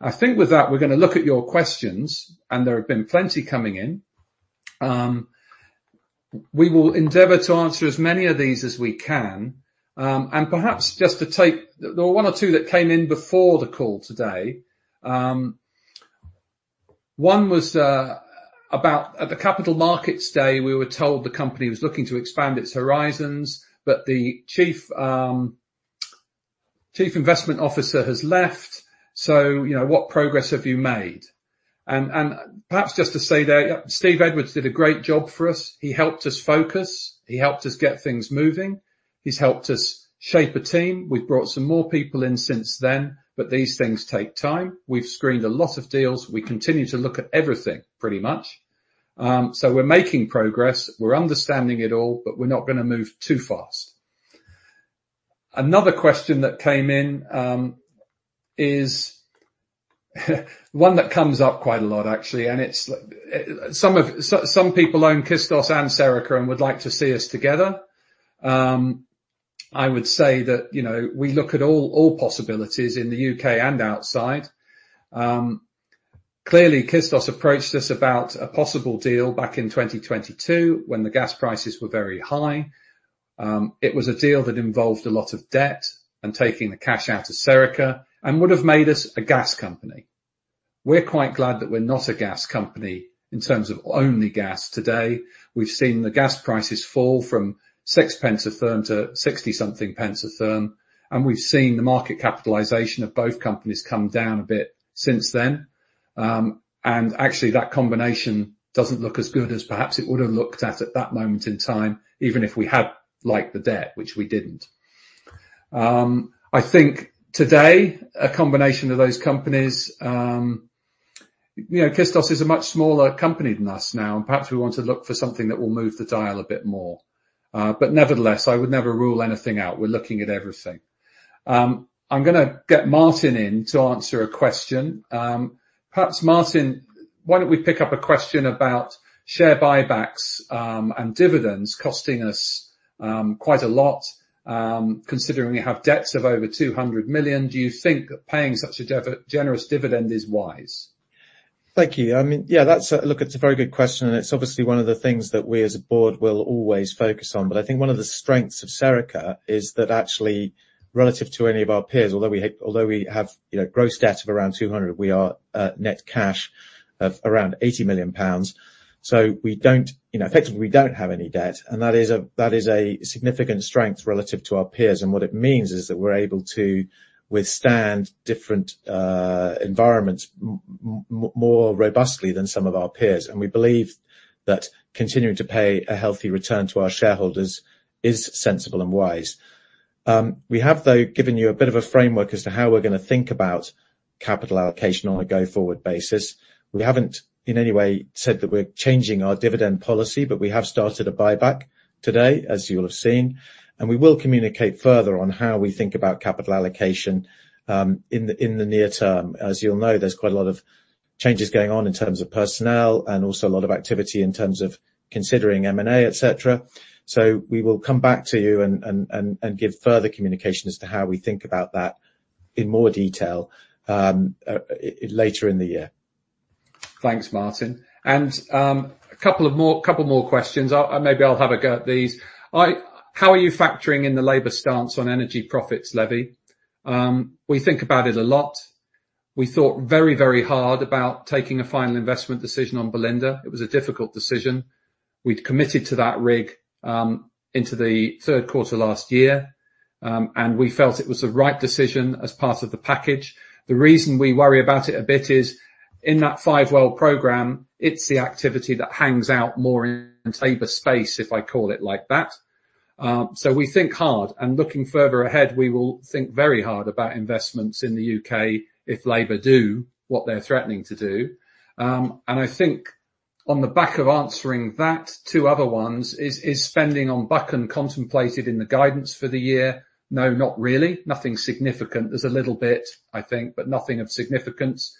I think with that, we're gonna look at your questions, and there have been plenty coming in. We will endeavor to answer as many of these as we can. Perhaps just to take. There were one or two that came in before the call today. One was about, at the Capital Markets Day, we were told the company was looking to expand its horizons, but the chief investment officer has left. You know, what progress have you made? Perhaps just to say that Steve Edwards did a great job for us. He helped us focus. He helped us get things moving. He's helped us shape a team. We've brought some more people in since then, but these things take time. We've screened a lot of deals. We continue to look at everything, pretty much. We're making progress, we're understanding it all, but we're not gonna move too fast. Another question that came in is one that comes up quite a lot, actually, and it's like some people own Kistos and Serica and would like to see us together. I would say that, you know, we look at all possibilities in the U.K. and outside. Clearly, Kistos approached us about a possible deal back in 2022 when the gas prices were very high. It was a deal that involved a lot of debt and taking the cash out of Serica and would have made us a gas company. We're quite glad that we're not a gas company in terms of only gas today. We've seen the gas prices fall from 6 a therm-GBP 60-something a therm, and we've seen the market capitalization of both companies come down a bit since then. Actually, that combination doesn't look as good as perhaps it would have looked at that moment in time, even if we had liked the debt, which we didn't. I think today, a combination of those companies, you know, Kistos is a much smaller company than us now, and perhaps we want to look for something that will move the dial a bit more. Nevertheless, I would never rule anything out. We're looking at everything. I'm gonna get Martin in to answer a question. Perhaps, Martin, why don't we pick up a question about share buybacks and dividends costing us quite a lot, considering we have debts of over 200 million. Do you think paying such a generous dividend is wise? Thank you. I mean, yeah, that's a look, it's a very good question, and it's obviously one of the things that we as a board will always focus on. I think one of the strengths of Serica is that actually relative to any of our peers, although we have, you know, gross debt of around 200 million, we are net cash of around 80 million pounds. We don't, you know, effectively, we don't have any debt, and that is a significant strength relative to our peers. We believe that continuing to pay a healthy return to our shareholders is sensible and wise. We have, though, given you a bit of a framework as to how we're gonna think about capital allocation on a go-forward basis. We haven't in any way said that we're changing our dividend policy, but we have started a buyback today, as you'll have seen, and we will communicate further on how we think about capital allocation in the near-term. As you'll know, there's quite a lot of changes going on in terms of personnel and also a lot of activity in terms of considering M&A, etc. We will come back to you and give further communication as to how we think about that in more detail later in the year. Thanks, Martin. A couple more questions. Maybe I'll have a go at these. How are you factoring in the Labour stance on Energy Profits Levy? We think about it a lot. We thought very, very hard about taking a final investment decision on Belinda. It was a difficult decision. We'd committed to that rig into the third quarter last year, and we felt it was the right decision as part of the package. The reason we worry about it a bit is in that five-well program, it's the activity that hangs out more in Labour space, if I call it like that. We think hard. Looking further ahead, we will think very hard about investments in the U.K. if Labour do what they're threatening to do. I think on the back of answering that, two other ones is spending on Buchan contemplated in the guidance for the year? No, not really. Nothing significant. There's a little bit, I think, but nothing of significance.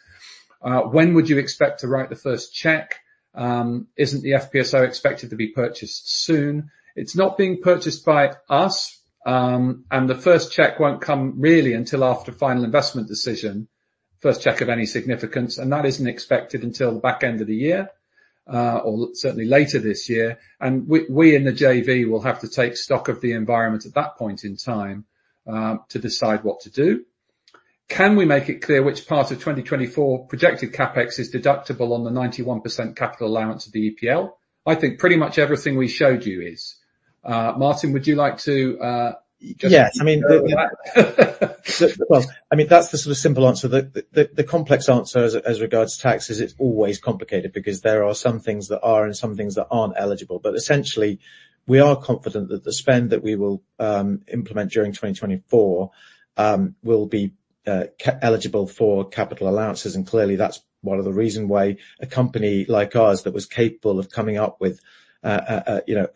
When would you expect to write the first check? Isn't the FPSO expected to be purchased soon? It's not being purchased by us, and the first check won't come really until after final investment decision. First check of any significance, and that isn't expected until the back end of the year or certainly later this year. We in the JV will have to take stock of the environment at that point in time to decide what to do. Can we make it clear which part of 2024 projected CapEx is deductible on the 91% capital allowance of the EPL? I think pretty much everything we showed you is. Martin, would you like to, just- Yes. Well, I mean, that's the sort of simple answer. The complex answer as regards tax is it's always complicated because there are some things that are and some things that aren't eligible. Essentially, we are confident that the spend that we will implement during 2024 will be eligible for capital allowances. Clearly, that's one of the reason why a company like ours that was capable of coming up with you know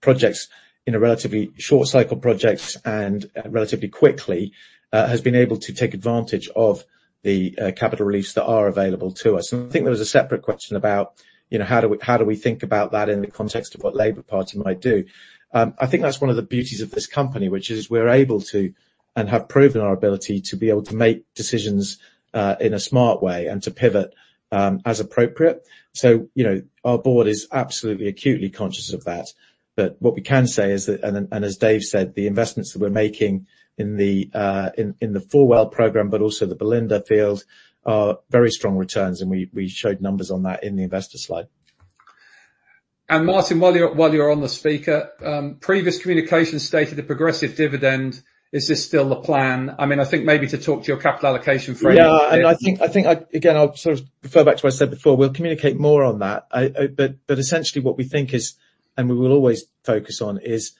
projects in a relatively short cycle projects and relatively quickly has been able to take advantage of the capital release that are available to us. I think there was a separate question about you know how do we think about that in the context of what Labour Party might do? I think that's one of the beauties of this company, which is we're able to and have proven our ability to be able to make decisions in a smart way and to pivot as appropriate. You know, our board is absolutely acutely conscious of that. What we can say is that, and as Dave said, the investments that we're making in the four-well program, but also the Belinda field are very strong returns, and we showed numbers on that in the investor slide. Martin, while you're on the speaker, previous communication stated the progressive dividend. Is this still the plan? I mean, I think maybe to talk to your capital allocation for- I think again, I'll sort of refer back to what I said before. We'll communicate more on that. Essentially what we think is, and we will always focus on, is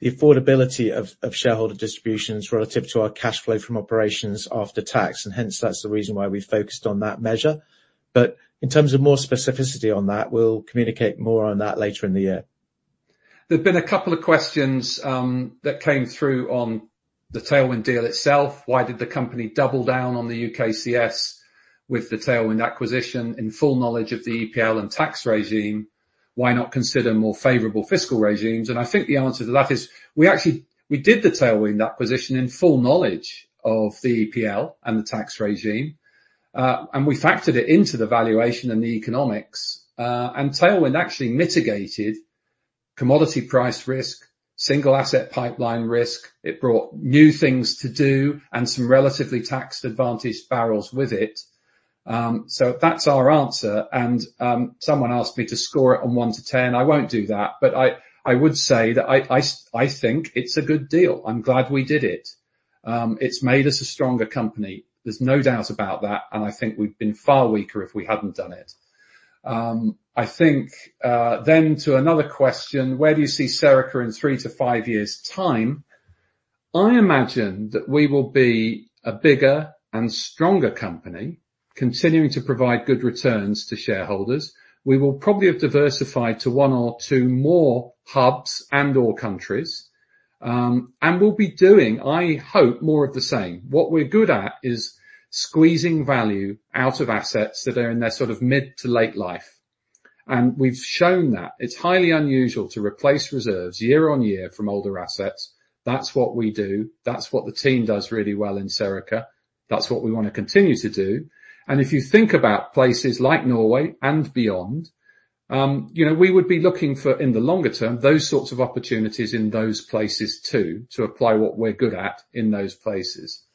the affordability of shareholder distributions relative to our cash flow from operations after tax, and hence, that's the reason why we focused on that measure. In terms of more specificity on that, we'll communicate more on that later in the year. There have been a couple of questions that came through on the Tailwind deal itself. Why did the company double down on the UKCS with the Tailwind acquisition in full knowledge of the EPL and tax regime? Why not consider more favorable fiscal regimes? I think the answer to that is, we did the Tailwind acquisition in full knowledge of the EPL and the tax regime, and we factored it into the valuation and the economics. Tailwind actually mitigated commodity price risk, single asset pipeline risk. It brought new things to do and some relatively tax-advantaged barrels with it. That's our answer. Someone asked me to score it on one to 10. I won't do that, but I think it's a good deal. I'm glad we did it. It's made us a stronger company. There's no doubt about that, and I think we'd been far weaker if we hadn't done it. I think to another question. Where do you see Serica in three to five years' time? I imagine that we will be a bigger and stronger company, continuing to provide good returns to shareholders. We will probably have diversified to one or two more hubs and/or countries. We'll be doing, I hope, more of the same. What we're good at is squeezing value out of assets that are in their sort of mid to late life. We've shown that. It's highly unusual to replace reserves year on year from older assets. That's what we do. That's what the team does really well in Serica. That's what we wanna continue to do. If you think about places like Norway and beyond, we would be looking for, in the longer term, those sorts of opportunities in those places too, to apply what we're good at in those places.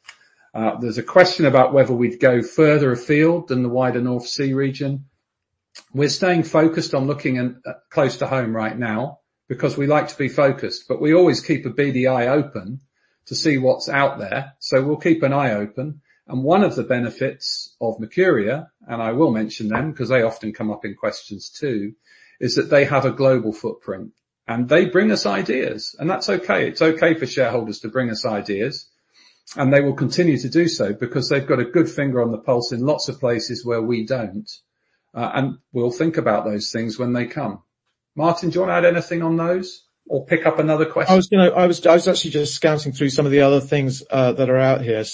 There's a question about whether we'd go further afield than the wider North Sea region. We're staying focused on looking in, close to home right now because we like to be focused, but we always keep a beady eye open to see what's out there. We'll keep an eye open. One of the benefits of Mercuria, and I will mention them 'cause they often come up in questions too, is that they have a global footprint. They bring us ideas, and that's okay. It's okay for shareholders to bring us ideas, and they will continue to do so because they've got a good finger on the pulse in lots of places where we don't. We'll think about those things when they come. Martin, do you wanna add anything on those or pick up another question? I was, you know, actually just scouting through some of the other things that are out here.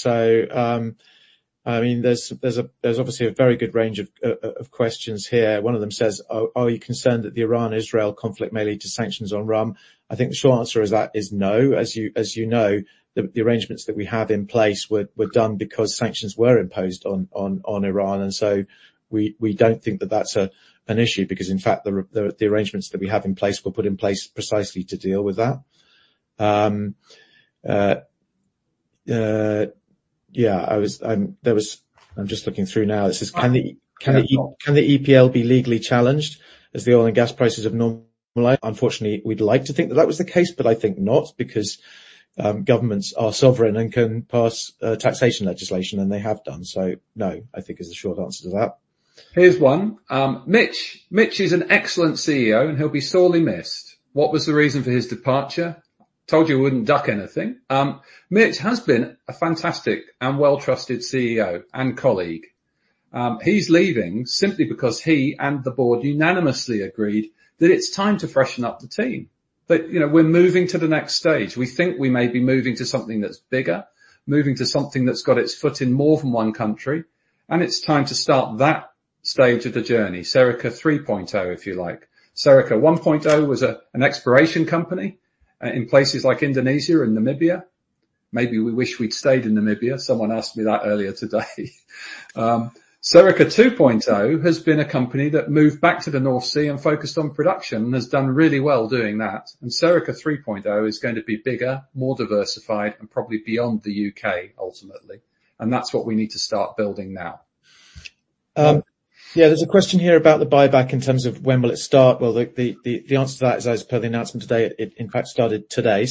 I mean, there's obviously a very good range of questions here. One of them says, "Are you concerned that the Iran-Israel conflict may lead to sanctions on Iran?" I think the short answer to that is no. As you know, the arrangements that we have in place were done because sanctions were imposed on Iran. We don't think that that's an issue because, in fact, the arrangements that we have in place were put in place precisely to deal with that. I'm just looking through now. It says- Can the- Can the EPL be legally challenged as the oil and gas prices have normalized?" Unfortunately, we'd like to think that was the case, but I think not, because governments are sovereign and can pass taxation legislation, and they have done. No, I think is the short answer to that. Here's one. "Mitch is an excellent CEO, and he'll be sorely missed. What was the reason for his departure?" Told you we wouldn't duck anything. Mitch has been a fantastic and well-trusted CEO and colleague. He's leaving simply because he and the board unanimously agreed that it's time to freshen up the team. You know, we're moving to the next stage. We think we may be moving to something that's bigger, moving to something that's got its foot in more than one country, and it's time to start that stage of the journey. Serica 3.0, if you like. Serica 1.0 was an exploration company in places like Indonesia and Namibia. Maybe we wish we'd stayed in Namibia. Someone asked me that earlier today. Serica 2.0 has been a company that moved back to the North Sea and focused on production and has done really well doing that. Serica 3.0 is going to be bigger, more diversified, and probably beyond the U.K., ultimately. That's what we need to start building now. There's a question here about the buyback in terms of when will it start. Well, the answer to that is, as per the announcement today, it in fact started today.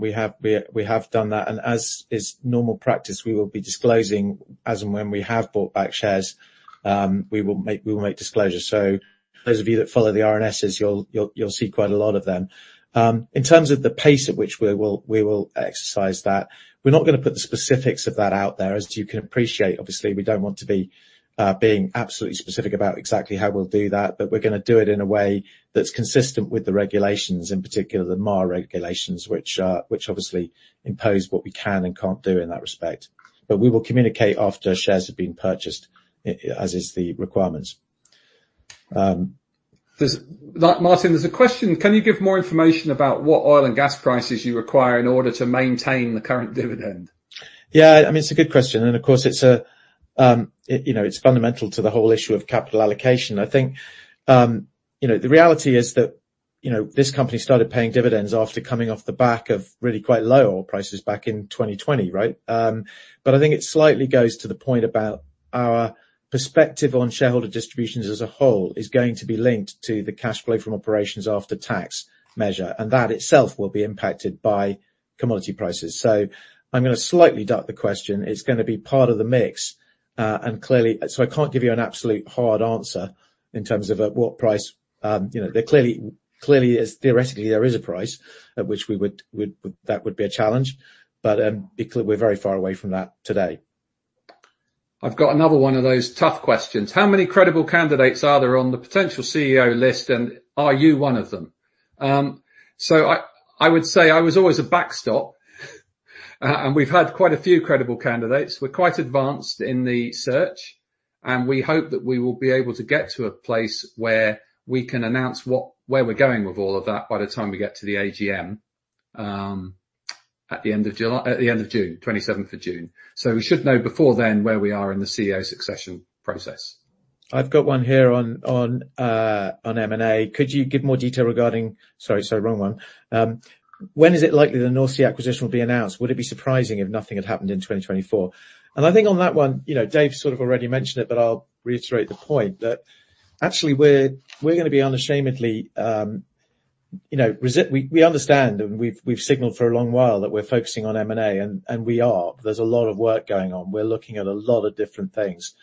We have done that. As is normal practice, we will be disclosing as and when we have bought back shares, we will make disclosures. Those of you that follow the RNSs, you'll see quite a lot of them. In terms of the pace at which we will exercise that, we're not gonna put the specifics of that out there, as you can appreciate. Obviously, we don't want to be being absolutely specific about exactly how we'll do that, but we're gonna do it in a way that's consistent with the regulations, in particular the MAR regulations, which obviously impose what we can and can't do in that respect. We will communicate after shares have been purchased as is the requirements. Martin, there's a question. Can you give more information about what oil and gas prices you require in order to maintain the current dividend? Yeah. I mean, it's a good question and of course it's a, you know, it's fundamental to the whole issue of capital allocation. I think, you know, the reality is that you know, this company started paying dividends after coming off the back of really quite low oil prices back in 2020, right? I think it slightly goes to the point about our perspective on shareholder distributions as a whole is going to be linked to the cash flow from operations after tax measure, and that itself will be impacted by commodity prices. I'm gonna slightly duck the question. It's gonna be part of the mix. I can't give you an absolute hard answer in terms of at what price. You know, there clearly is theoretically a price at which we would that would be a challenge, but we're very far away from that today. I've got another one of those tough questions. How many credible candidates are there on the potential CEO list, and are you one of them? I would say I was always a backstop. We've had quite a few credible candidates. We're quite advanced in the search, and we hope that we will be able to get to a place where we can announce where we're going with all of that by the time we get to the AGM at the end of June, 27th of June. We should know before then where we are in the CEO succession process. I've got one here on M&A. When is it likely the North Sea acquisition will be announced? Would it be surprising if nothing had happened in 2024? I think on that one, you know, Dave sort of already mentioned it, but I'll reiterate the point that actually we're gonna be unashamedly acquisitive. We understand and we've signaled for a long while that we're focusing on M&A, and we are. There's a lot of work going on. We're looking at a lot of different things.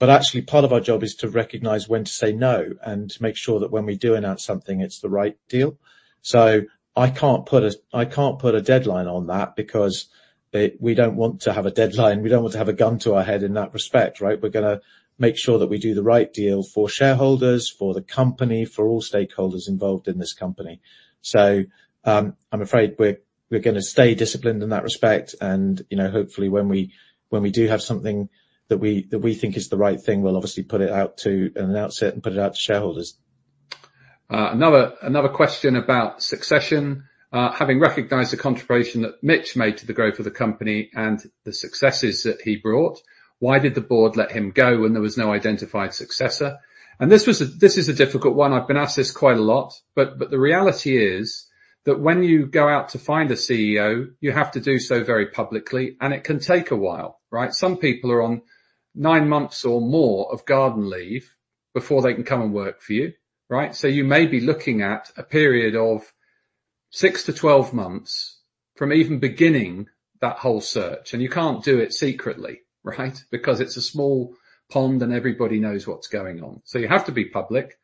But actually part of our job is to recognize when to say no and to make sure that when we do announce something, it's the right deal. I can't put a deadline on that because we don't want to have a deadline. We don't want to have a gun to our head in that respect, right? We're gonna make sure that we do the right deal for shareholders, for the company, for all stakeholders involved in this company. I'm afraid we're gonna stay disciplined in that respect and, you know, hopefully when we do have something that we think is the right thing, we'll obviously put it out to and announce it and put it out to shareholders. Another question about succession. Having recognized the contribution that Mitch made to the growth of the company and the successes that he brought, why did the Board let him go when there was no identified successor? This is a difficult one. I've been asked this quite a lot, but the reality is that when you go out to find a CEO, you have to do so very publicly, and it can take a while, right? Some people are on nine months or more of garden leave before they can come and work for you, right? You may be looking at a period of six to 12 months from even beginning that whole search, and you can't do it secretly, right? Because it's a small pond and everybody knows what's going on. You have to be public.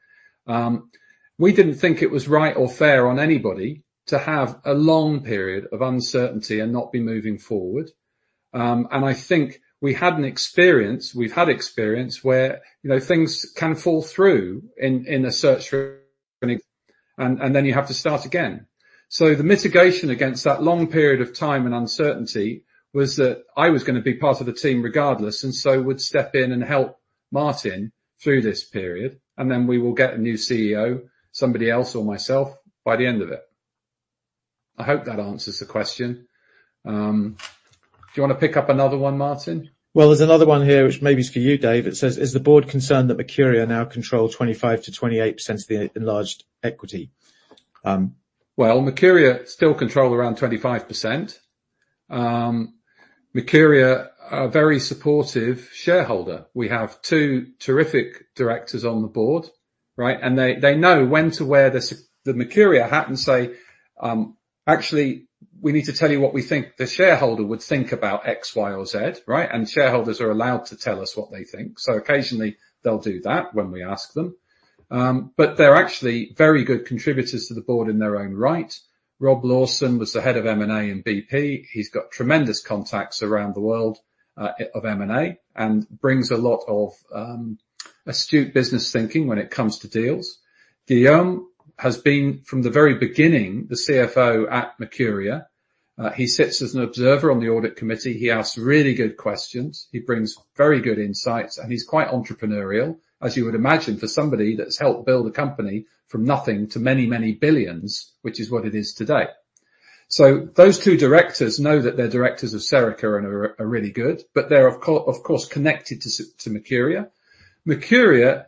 We didn't think it was right or fair on anybody to have a long period of uncertainty and not be moving forward. I think we've had experience where, you know, things can fall through in a search for and then you have to start again. The mitigation against that long period of time and uncertainty was that I was gonna be part of the team regardless, and so would step in and help Martin through this period, and then we will get a new CEO, somebody else or myself, by the end of it. I hope that answers the question. Do you wanna pick up another one, Martin? Well, there's another one here which maybe is for you, Dave. It says, "Is the board concerned that Mercuria now control 25%-28% of the enlarged equity?" Well, Mercuria still control around 25%. Mercuria are a very supportive shareholder. We have two terrific directors on the board, right? They know when to wear the Mercuria hat and say, "Actually, we need to tell you what we think the shareholder would think about X, Y, or Z," right? Shareholders are allowed to tell us what they think. Occasionally they'll do that when we ask them. They're actually very good contributors to the board in their own right. Robert Lawson was the head of M&A and BP. He's got tremendous contacts around the world of M&A and brings a lot of astute business thinking when it comes to deals. Guillaume has been, from the very beginning, the CFO at Mercuria. He sits as an observer on the audit committee. He asks really good questions, he brings very good insights, and he's quite entrepreneurial, as you would imagine for somebody that's helped build a company from nothing to many, many billions, which is what it is today. Those two directors know that they're directors of Serica and are really good, but they're of course connected to Mercuria. Mercuria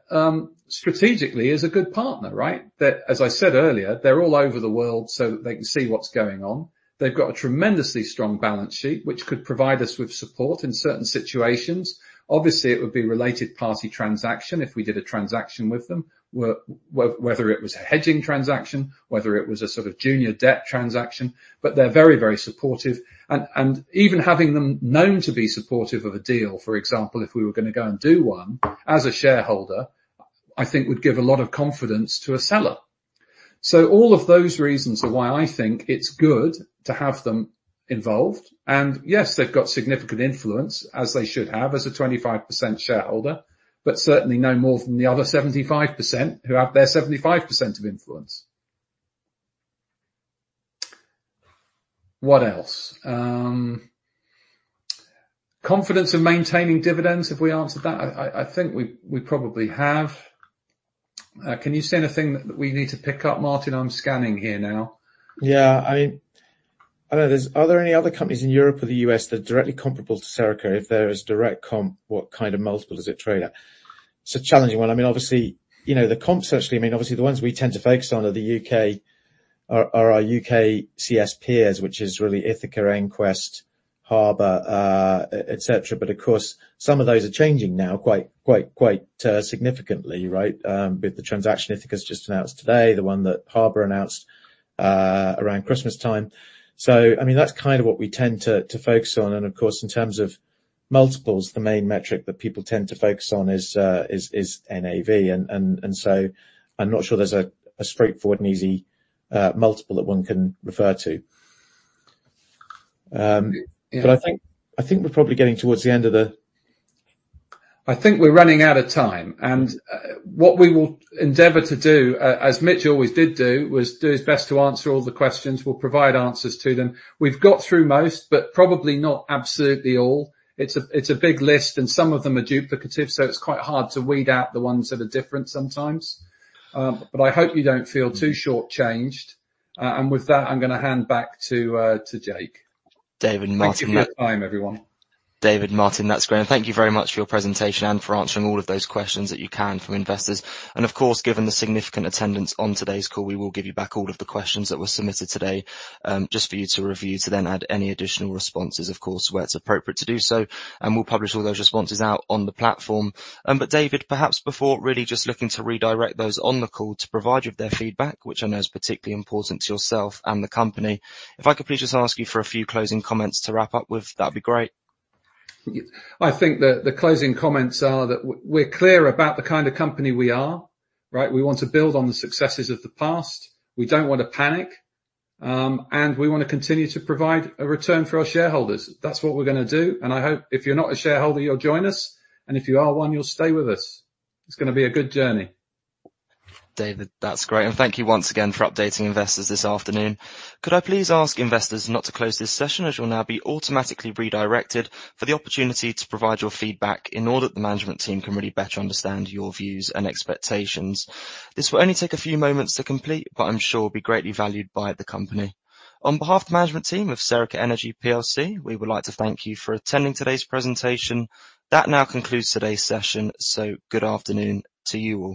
strategically is a good partner, right? They're. As I said earlier, they're all over the world, so they can see what's going on. They've got a tremendously strong balance sheet, which could provide us with support in certain situations. Obviously, it would be related party transaction if we did a transaction with them. Whether it was a hedging transaction, whether it was a sort of junior debt transaction. They're very, very supportive and even having them known to be supportive of a deal, for example, if we were gonna go and do one as a shareholder, I think would give a lot of confidence to a seller. All of those reasons are why I think it's good to have them involved. Yes, they've got significant influence, as they should have as a 25% shareholder, but certainly no more than the other 75% who have their 75% of influence. What else? Confidence in maintaining dividends, have we answered that? I think we probably have. Can you see anything that we need to pick up, Martin? I'm scanning here now. Yeah. I mean, I know there's are there any other companies in Europe or the U.S. that are directly comparable to Serica? If there is direct comp, what kind of multiple does it trade at? It's a challenging one. I mean, obviously, you know, the comps actually, I mean, obviously the ones we tend to focus on are the UKCS peers, which is really Ithaca, EnQuest, Harbour, etc. But of course, some of those are changing now quite significantly, right? With the transaction Ithaca's just announced today, the one that Harbour announced around Christmas time. I mean, that's kind of what we tend to focus on. Of course, in terms of multiples, the main metric that people tend to focus on is NAV, and so I'm not sure there's a straightforward and easy multiple that one can refer to. But I think Yeah. I think we're probably getting towards the end of the I think we're running out of time. What we will endeavor to do, as Mitch always did do, was do his best to answer all the questions. We'll provide answers to them. We've got through most, but probably not absolutely all. It's a big list, and some of them are duplicative, so it's quite hard to weed out the ones that are different sometimes. But I hope you don't feel too short-changed. With that, I'm gonna hand back to Jake. David and Martin Thank you for your time, everyone. David and Martin, that's great. Thank you very much for your presentation and for answering all of those questions that you can from investors. Of course, given the significant attendance on today's call, we will give you back all of the questions that were submitted today, just for you to review to then add any additional responses, of course, where it's appropriate to do so, and we'll publish all those responses out on the platform. David, perhaps before really just looking to redirect those on the call to provide you with their feedback, which I know is particularly important to yourself and the company, if I could please just ask you for a few closing comments to wrap up with, that'd be great. I think that the closing comments are that we're clear about the kind of company we are, right? We want to build on the successes of the past. We don't wanna panic, and we wanna continue to provide a return for our shareholders. That's what we're gonna do, and I hope if you're not a shareholder, you'll join us, and if you are one, you'll stay with us. It's gonna be a good journey. David, that's great. Thank you once again for updating investors this afternoon. Could I please ask investors not to close this session, as you'll now be automatically redirected for the opportunity to provide your feedback in order that the management team can really better understand your views and expectations. This will only take a few moments to complete, but I'm sure will be greatly valued by the company. On behalf of the management team of Serica Energy plc, we would like to thank you for attending today's presentation. That now concludes today's session, so good afternoon to you all. S